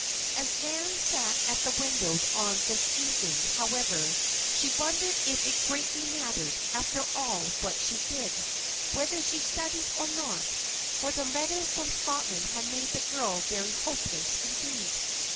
As Nan sat at the window on this evening, however, she wondered if it greatly mattered, after all, what she did whether she studied, or not. For the letter from Scotland had made the girl very hopeless, indeed.